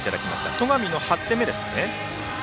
戸上の８点目です。